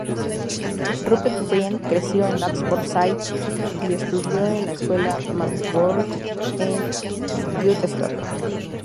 Rupert Friend creció en Oxfordshire y estudió en la Escuela Marlborough en Woodstock.